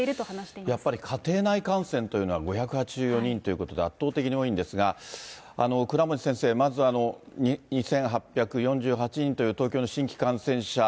やっぱり家庭内感染というのは５８４人ということで、圧倒的に多いんですが、倉持先生、まず２８４８人という、東京の新規感染者。